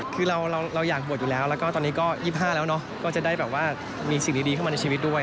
คือเราอยากบวชอยู่แล้วแล้วก็ตอนนี้ก็๒๕แล้วเนาะก็จะได้แบบว่ามีสิ่งดีเข้ามาในชีวิตด้วย